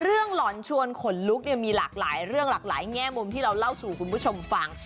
หลอนชวนขนลุกเนี่ยมีหลากหลายเรื่องหลากหลายแง่มุมที่เราเล่าสู่คุณผู้ชมฟัง